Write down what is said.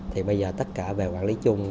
thì bây giờ tất cả về quản lý chung